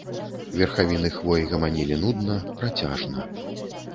Верхавіны хвой гаманілі нудна, працяжна.